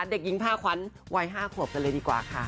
เด็กหญิงพาขวัญวัย๕ขวบกันเลยดีกว่าค่ะ